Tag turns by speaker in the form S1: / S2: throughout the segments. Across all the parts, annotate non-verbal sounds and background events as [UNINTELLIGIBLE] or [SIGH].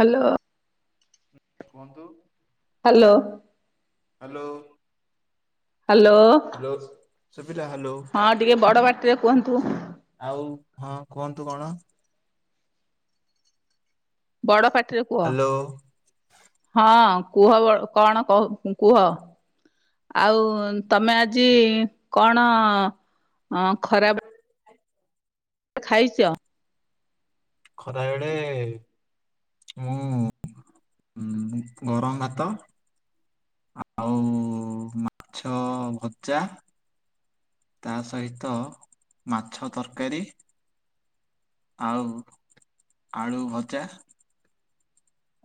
S1: Hello.
S2: କୁହନ୍ତୁ
S1: hello
S2: hello.
S1: Hello
S2: hello ଶୁଵିଲା hello.
S1: ହଁ ଟିକେ ବଡ ପାଟିରେ କୁହନ୍ତୁ।
S2: ଆଉ ହଁ କୁହନ୍ତୁ କଣ।
S1: ବଡ଼ ପାଟିରେ କୁହ।
S2: ହ୍ୟାଲୋ
S1: ହଁ କୁହ କଣ କହୁ କୁହ। ଆଉ ତମେ ଆଜି କଣ ଅଁ ଖରା ଖାଇଛ।
S2: ଖରା ବେଳେ। ମୁଁ ଗରମ ଭାତ। ଆଉ ମାଛ ଭଜା। ତା ସହିତ ମାଛ ତରକାରୀ। ଆଉ ଆଳୁ ଭଜା।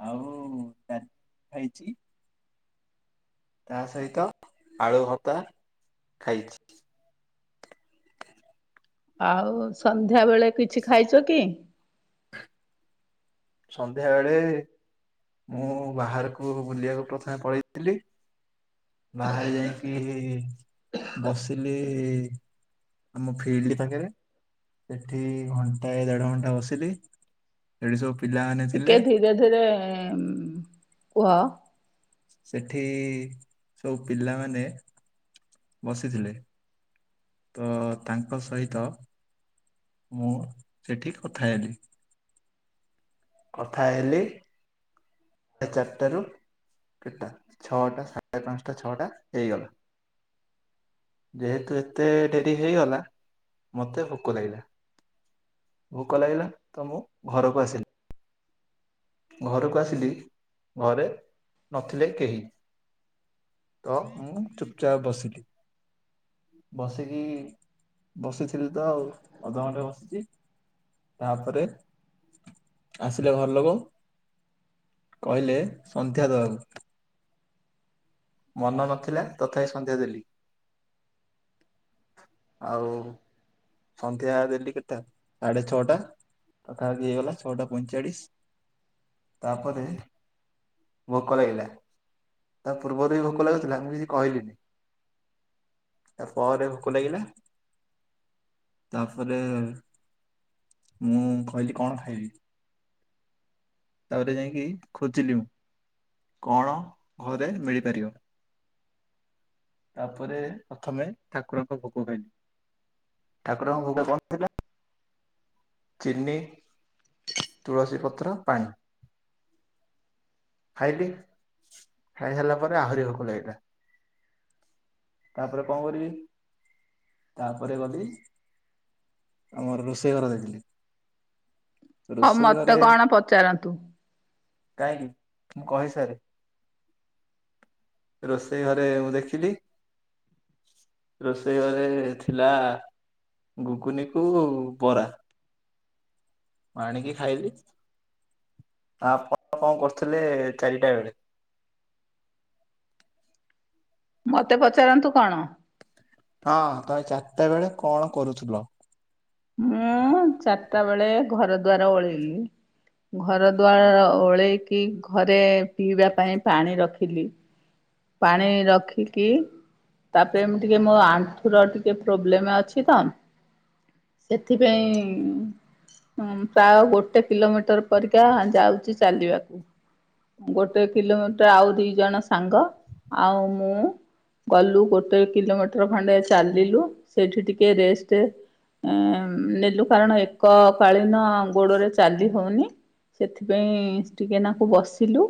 S2: ଆଉ [UNINTELLIGIBLE] ଖାଇଛି। ତା ସହିତ ଆଳୁ ଭର୍ତ୍ତା ଖାଇଛି।
S1: ଆଉ ସନ୍ଧ୍ୟା ବେଳେ କିଛି ଖାଇଛ କି?
S2: ସନ୍ଧ୍ୟା ବେଳେ। ମୁଁ ବାହାରକୁ ବୁଲିବାକୁ ପ୍ରଥମେ ପଳେଇଥିଲି। ବାହାରେ ଯାଇକି ବସିଲି। ଆମ ଫିଲ୍ଡ ପାଖରେ ସେଠି ଘଣ୍ଟାଏ ଦେଢ ଘଣ୍ଟା ବସିଲି। ସେଠି ସବୁ ପିଲାମାନେ ଥିଲେ।
S1: ସେରା କୁହ।
S2: ସେଠି ସବୁ ପିଲାମାନେ। ବସିଥିଲେ। ତ ତାଙ୍କ ସହିତ। ମୁଁ ସେଠି କଥା ହେଲି। କଥା ହେଲି। ସାଢ଼େ ଚାରିଟାରୁ କେତଟା ଛଅଟା ସାଢ଼େ ପାଞ୍ଚଟା ଛଅଟା ହେଇଗଲା। ଯେହେତୁ ଏତେ ଡେରି ହେଇଗଲା ମତେ ଭୋକ ଲାଗିଲା। ଭୋକ ଲାଗିଲା ତ ମୁଁ ଘରକୁ ଆସିଲି। ଘରକୁ ଆସିଲି ଘରେ ନଥିଲେ କେହି। ତ ମୁଁ ଚୁପଚାପ୍ ବସିଲି। ବସିକି ବସିଥିଲି ତ ଆଉ ଅଧଘଣ୍ଟେ ବସିଛି। ତାପରେ ଆସିଲେ ଘର ଲୋକ। କହିଲେ ସନ୍ଧ୍ୟା ଦବାକୁ। ମନ ନଥିଲା ତଥାପି ସନ୍ଧ୍ୟା ଦେଲି। ଆଉ। ସନ୍ଧ୍ୟା ଦେଲି କେତେଟା ସାଢେ ଛଅଟା ପାଖା ପାଖି ହେଇଗଲା ଛଅଟା ପଇଁଚାଳିସ୍। ତାପରେ ଭୋକ ଲାଗିଲା। ତା ପୂର୍ବରୁ ବି ଭୋକ ଲାଗୁଥିଲା ମୁ କିଛି କହିଲିନି। ତା ପରେ ଭୋକ ଲାଗିଲା। ତାପରେ ମୁଁ କହିଲି କଣ ଖାଇବି। ତାପରେ ଯାଇକି ଖୋଜିଲି ମୁଁ। କଣ ଘରେ ମିଳିପାରିବ। ତାପରେ ପ୍ରଥମେ ଠାକୁରଙ୍କ ଭୋଗ ଖାଇଲିି। ଠାକୁରଙ୍କ ଭୋଗ କଣ ଥିଲା। ଚିନି, ତୁଳସୀ ପତ୍ର, ପାଣି। ଖାଇଲି ଖାଇ ସାରିଲା ପରେ ଆହୁରି ଭୋକ ଲାଗିଲା। ତାପରେ କଁ କରିବି ତାପରେ ଗଲି। ଆମର ରୋଷେଇ ଘର ଦେଖିଲି।
S1: ହଁ
S2: ରୋଷେଇ
S1: ମତେ
S2: ଘରେ
S1: କଣ ପଚାରନ୍ତୁ।
S2: କାହିଁକି ମୁଁ କହିସାରେ। ରୋଷେଇ ଘରେ ମୁଁ ଦେଖିଲି। ରୋଷେଇ ଘରେ ଥିଲା ଗୁଗୁନି କୁ ବରା। ମୁଁ ଆଣିକି ଖାଇଲି ତା ଆପଣ କଁ କରୁଥିଲେ ଚାରିଟା ବେଳେ?
S1: ମତେ ପଚାରନ୍ତୁ କଣ।
S2: ହଁ ତ ଆଜି ଚାରିଟା ବେଳେ କଣ କରୁଥିଲ?
S1: ମୁଁ ଚାରିଟା ବେଳେ ଘର ଦୁଆାର ଓଳେଇଲି। ଘର ଦ୍ୱାର ଓଳେଇକି ଘରେ ପିଇବା ପାଇଁ ପାଣି ରଖିଲି। ପାଣି ରଖିକି ତାପରେ ମୁଁ ଟିକେ ମୋ ଆଣ୍ଠ ଣ୍ଠୁ ର ଟିକେ ପ୍ରୋବ୍ଲେମ ଅଛି ତ ସେଥିପାଇଁ। ଉଁ ପ୍ରାୟ ଗୋଟେ କିଲୋମିଟର ପରିକା ଯାଉଛି ଚାଲିବାକୁ। ଗୋଟେ କିଲୋମିଟର ଆଉ ଦି ଜଣ ସାଙ୍ଗ ଆଉ ମୁଁ। ଗଲୁ ଗୋଟେ କିଲୋମିଟର ଖଣ୍ଡେ ଚାଲିଲୁ ସେଇଠି ଟିକେ ରେଷ୍ଟ ଏଁ ନେଲୁ କାରଣ ଏକ କାଳୀନ ଗୋଡ଼ରେ ଚାଲି ହଉନି ସେଥିପାଇଁ ଟିକେ ନାକୁ ବସିଲୁ।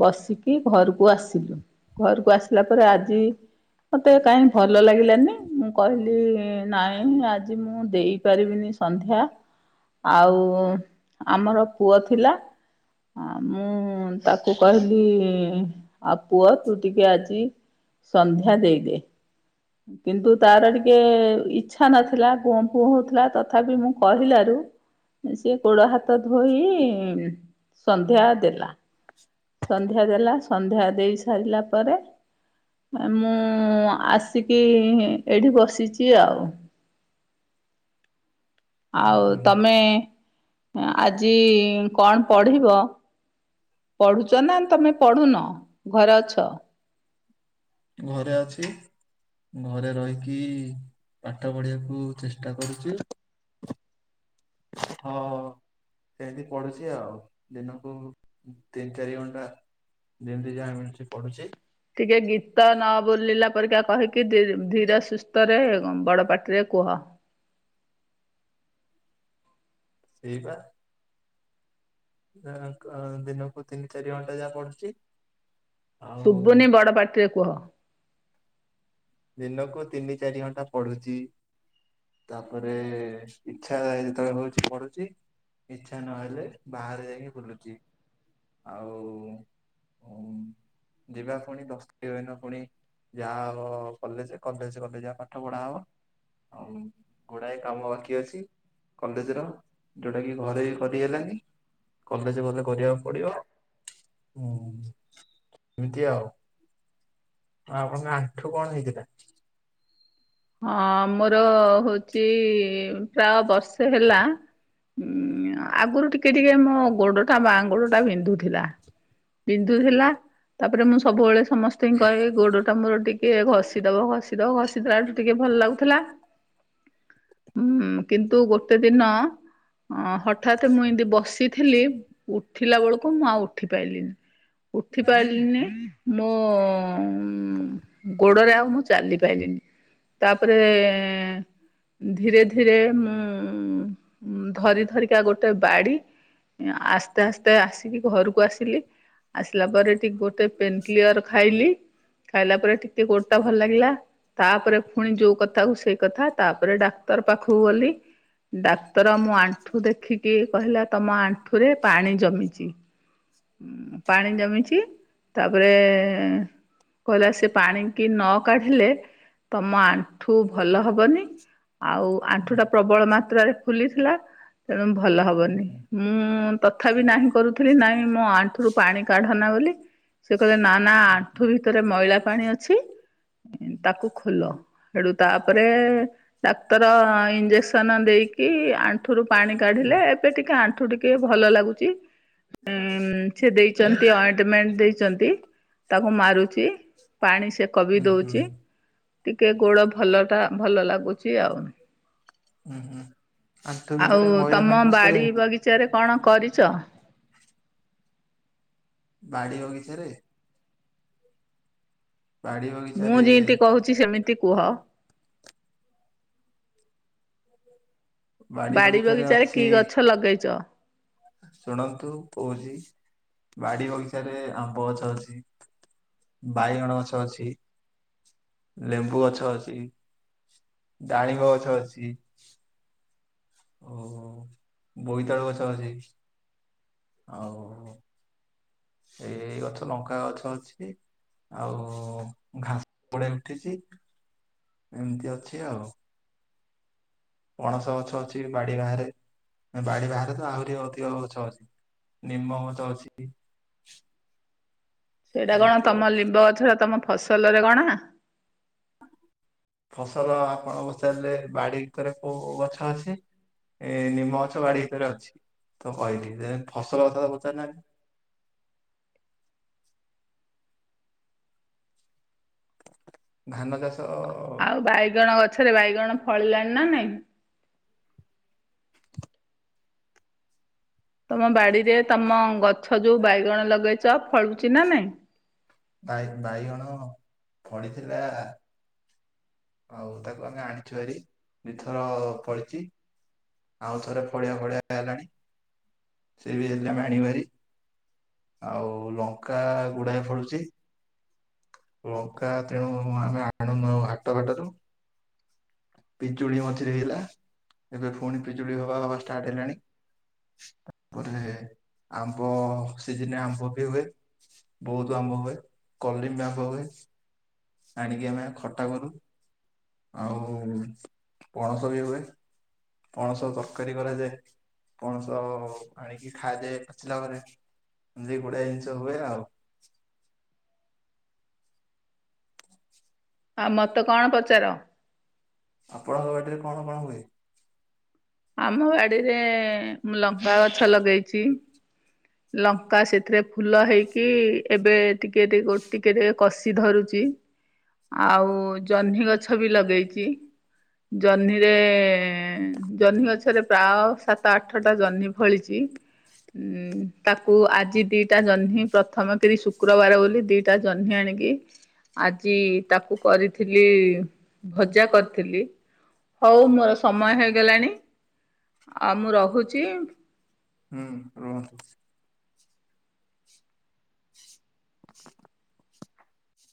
S1: ବସିକି ଘରକୁ ଆସିଲୁ ଘରକୁ ଆସିଲା ପରେ ଆଜି। ମତେ କାଇଁ ଭଲ ଲାଗିଲାନି ମୁଁ କହିଲି ନାଇଁ ଆଜି ମୁଁ ଦେଇ ପାରିବିନି ସ ସନ୍ଧ୍ୟା ଆଉ ଆମର ପୁଅ ଥିଲା। ଆ ମୁଁ ତାକୁ କହିଲି ଆଉ ପୁଅ। ତୁ ଟିକେ ଆଜି ସନ୍ଧ୍ୟା ଦେଇଦେ। କିନ୍ତୁ ତାର ଟିକେ ଇଚ୍ଛା ନଥିଲା ଗୁଁ ପୁ ହଉଥିଲା ତଥାପି ମୁଁ କହିଲାରୁ। ସିଏ ଗୋଡ, ହାତ ଧୋଇ ଉଁ ସନ୍ଧ୍ୟା ଦେଲା। ସନ୍ଧ୍ୟା ଦେଲା ସନ୍ଧ୍ୟା ଦେଇ ସାରିଲା ପରେ। ମୁଁ ଆସିକି ଏଇଠି ବସିଛି ଆଉ। ଆଉ ତମେ। ଆଜି କଣ ପଢିବ? ପଢୁଛ ନା ତମେ ପଢୁନ ଘରେ ଅଛ।
S2: ଘରେ ଅଛି। ଘରେ ରହିକି ପାଠ ପଢିବାକୁ ଚେଷ୍ଟା କରୁଛି। ହଁ ସେମତି ପଡୁଛି ଆଉ ଦିନକୁ ତିନି, ଚାରି ଘଣ୍ଟା। ଯେମିତି ଯାହା ମିଳୁଛି ପଢୁଛି।
S1: ଟିକେ ଗୀତ ନ ବୋଲିଲା ପରିକା କହିକି ଧୀ ଧୀର ସୁସ୍ଥରେ ବଡ଼ ପାଟିରେ କୁହ।
S2: ସେଇବା। ଆ କ‌୍ ଆ ଦିନକୁ ତିନି, ଚାରି ଘଣ୍ଟା ଯାହା ପଡୁଛି।
S1: ଶୁଭୁନି ବଡ ପାଟିରେ କୁହ।
S2: ଦିନକୁ ତିନି, ଚାରି ଘଣ୍ଟା ପଢୁଛି। ତାପରେ ଇଛା ଯେତେବେଳେ ହଉଛି ପଢୁଛି। ଇଚ୍ଛା ନହେଲେ ବାହାରେ ଯାଇକି ବୁଲୁଛି ଆଉ। ଉଁ ଯିବା ପୁଣି ଦଶ ତାରିଖ ଦିନ ପୁଣି ଯା ହବ। କଲେଜ କଲେଜ ଗଲେ ଯାହା ପାଠ ପଢା ହବ ଆଉ ଗୁଡାଏ କାମ ବାକି ଅଛି। କଲେଜ ର ଯୋଉଟା କି ଘରେ ବି କରି ହେଲାନି। କଲେଜ ଗଲେ କରିବାକୁ ପଡିବ ହୁଁ। ଏମିତି ଆଉ ଆଉ ଆପଣଙ୍କ ଆଣ୍ଠୁ କଣ ହେଇଥିଲା।
S1: ହଁ ମୋର ହଉଛି ପ୍ରାୟ ବର୍ଷେ ହେଲା ଉଁ ଆଗରୁ ଟିକେ ଟିକେ ମୋ ଗୋଡଟା ବାଁ ଗୋଡ ଟା ବିନ୍ଧୁଥିଲା। ବିନ୍ଧୁଥିଲା ତାପରେ ମୁଁ ସବୁବେଳେ ସମସ୍ତେ ହି କହିବି ଗୋଡ ଟା ମୋର ଟି କିଏ ଘଷି ଦବ ଘଷିଦବ ଘଷିଦଲାଠୁ ଟିକେ ଭଲ ଲାଗୁଥିଲା। ହୁଁ। କିନ୍ତୁ ଗୋଟେ ଦିନ ଅ ହଠାତ୍ ମୁଁ ଏମିତି ବସିଥିଲି ଉଠିଲା ବେଳକୁ ମୁଁ ଆଉ ଉଠି ପାଇଲିିନି। ଉଠି ପାରିଲିନି ମୋ ଗୋଡରେ ଆଉ ମୁଁ ଚାଲି ପାରଲିିନି। ତାପରେ ଧୀରେ ଧୀରେ ମୁଁ ଉ ଧରି ଧରିକା ଗୋଟେ ବାଡି ଆସ୍ତେ ଆସ୍ତେ ଆସିକି ଘରକୁ ଆସିଲି। ଆସିଲା ପରେ ଟିକେ ଗୋଟେ ପେନ କିଲୟର ଖାଇଲି। ଖାଇଲା ପରେ ଟିକେ ଟିକେ ଗୋଟ ଟା ଭଲ ଲାଗିଲା ତାପରେ ପୁଣି ଯୋଉ କଥା ହ ସେଇ କଥା ତାପରେ ଡାକ୍ତର ପାଖକୁ ଗଲି। ଡାକ୍ତର ମୁଁ ଆଣ୍ଠୁ ଦେଖିକି କହିଲା ତମ ଆଣ୍ଠୁ ପାଣି ଜମିଚି ପାଣି ଜମିଚି ତାପରେ କହିଲା ସେ ପାଣିକି ନ କାଢ଼ିଲେ ମୋ ଆଣ୍ଠୁ ଭଲ ହବନି। ଆଉ ଆଣ୍ଠୁ ଟା ପ୍ରବଳ ମାତ୍ରାରେ ଫୁଲିଥିଲା, ତେଣୁ ଭଲ ହବନି।
S2: ଉୁଁ
S1: ମୁଁ ତଥାପି ନାହିଁ କରୁଥିଲି ନାହିଁ ମୋ ଆଣ୍ଠୁରୁ ପାଣି କାଢନା ବୋଲି। ସେ କହିଲେ ନା ନା ଆଣ୍ଠୁ ଭିତରେ ମଇଳା ପାଣି ଅଛି, ତାକୁ ଖ ତାପରେ ଡାକ୍ତର ଇଞ୍ଜେସନ ଦେଇ କି ଆଣ୍ଠୁ ର ପାଣି କାଢିଲେ ଏବେ ଟିକେ ଆଣ୍ଠୁ ଟିକେ ଭଲ ଲାଗୁଚି।
S2: [UNINTELLIGIBLE]
S1: ଅଏଣ୍ଟମେଣ୍ଟ ଦେଇଛନ୍ତି ତାକୁ
S2: ହୁଁ
S1: ମାରୁଛି ପାଣି ସେକ ବି ଦଉଛି
S2: ହ।
S1: ଟିକେ ଗୋଡ ଭଲ ଟା ଭଲ ଲାଗୁଚି ଆଉ।
S2: ଉୁଁ ହୁଁ ଆଣ୍ଠୁ
S1: ଆଉ
S2: ଭିତରେ ମହିଳା
S1: ତମ
S2: ପାଣି ବସିଲ
S1: ବାଡି
S2: କେମିତି?
S1: [UNINTELLIGIBLE] କଣ କରିଚ?
S2: ବାଡି ବଗିଚାରେ ରେ? ବାଡି
S1: ମୁଁ
S2: ବଗିଚାରେ
S1: ଯେମତି କହୁଚି ସେମିତି କୁହ।
S2: ବାଡି ବଗିଚାରେ
S1: କି
S2: ଅଛି
S1: ଗଛ ଲଗେଇଛ?
S2: ଶୁଣନ୍ତୁ କୋହୁଚି ବାଡି ବଗିଚାରେ ଆମ୍ବ ଗଛ ଅଛି। ବାଇଗଣ ଗଛ ଅଛି। ଲେମ୍ବୁ ଗଛ ଅଛି, ଡାଳିଙ୍ଗ ଗଛ ଅଛି। ଓ ବୋଇତାଳୁ ଗଛ ଅଛି। ଆଉ ଏଇଇ ଗଛ ଲଙ୍କା ଗଛ ଅଛି। ଆଉ ଘାସ ଗଡେଇ ଉଠିଚି ଏମିତି ଅଛି ଆଉ। ପଣସ ଗଛ ଅଛି ବାଡି ବାହାରେ ବାଡି ବାହାରେ ତ ଆହୁରି ଅଧିକ ଗଛ ଅଛି ନିମ୍ବ ଗଛ ଅଛି।
S1: ସେଇଟା କଣ
S2: ଏମିତି
S1: ତମ
S2: ଆଉ
S1: ଲମ୍ବ ଗଛଟ ତମ ଫସଲରେ ଗଣା।
S2: ଫସଲ ଆପଣ ପଚାରିଲେ ବାଡି ଭିତରେ କୋଉ କୋଉ ଗଛ ଅଛି? ଏ ନିମ୍ମ ଗଛ ବାଡି ଭିତରେ ଅଛି, ତ କହିଲି ଫସଲ କଥା ତ ପଚାରି ନା ଧାନ ଚାଷ
S1: ଆଉ ବାଇଗଣ ଗଛରେ ବାଇଗଣ ଫଳିଲାଣି ନା ନାଇଁ? ତମ ବାଡିରେ ତମ ଗଛ ଯୋଉ ବାଇଗଣ ଲଗେଇଛ ଫଳୁଚି ନା ନାଇଁ?
S2: ବାଇ ବାଇଗଣ ଫଳିଥିଲା। ଆଉ ତାକୁ ଆମେ ଆଣିଛୁ ଭାରି ଦିଥର ଗଲିଚି। ଆଉ ଥରେ ଫଡିଆ ଫଡିଆ ହେଲାଣି ସି ବି ହେଲେ ଆମେ ଆଣିବୁ ଭାରି। ଆଉ ଲଙ୍କା ଗୁଡାଏ ଫଳିଚି। ବଙ୍କା ତେଣୁ ଆମେ ଆଣୁନ ହାଟ ଘାଟରୁ। ପିଜୁଳି ମଝିରେ ହେଲା, ଏବେ ପୁଣି ପିଜୁଳି ହବା ଭବା ଷ୍ଟାର୍ଟ ହେଲାଣି। ତାପରେ ଆମ୍ବ ସିଜିନରେ ଆମ୍ବ ବି ହୁଏ। ବହୁତ ଆମ୍ବ ହୁଏ କଲିମ ଆମ୍ବ ହୁଏ। ଆଣିକି ଆମେ ଖଟା କରୁ ଆଉ ପଣସ ବି ହୁଏ। ପଣସ ତରକାରୀ କରାଯାଏ। ପଣସ ଆଣିକି ଖା ଯାଏ ପାଚିଲା ପରେ। ଏମତି ଗୁଡ଼ାଏ ଜିନିଷ ହୁଏ ଆଉ।
S1: ଆଉ ମତେ କଣ ପଚାର?
S2: ଆପଣଙ୍କ ବାଡିରେ କଣ କଣ ହୁଏ?
S1: ଆମ ବାଡିରେ ମୁଁ ଲମ୍ବା ଗଛ ଲଗେଇଛି। ଲଙ୍କା ସେଥିରେ ଫୁଲ ହେଇକି ଏବେ ଟିକେ ଟେ ଟିକେ ଟିକେ କଷି ଧରୁଛି। ଆଉ ଜହ୍ନି ଗଛ ବି ଲଗେଇଛି। ଜହ୍ନିରେ ଜହ୍ନି ଗଛରେ ପ୍ରାୟ ସାତ ଆଠଟା ଜହ୍ନି ଫଳିଛି। ତାକୁ ଆଜି ଦିଟା ଜହ୍ନି ପ୍ରଥମ କରି ଶୁକ୍ରବାର ବୋଲି ଦିଟା ଜହ୍ନି ଆଣିକି ଆଜି ତାକୁ କରିଥିଲି ଭଜା କରିଥିଲି। ହଉ ମୋର ସମୟ ହେଇଗଲାଣି ଆଉ ମୁଁ ରହୁଛି।
S2: ହୁଁ ରୁହନ୍ତୁ। [INAUDIBLE] [INAUDIBLE]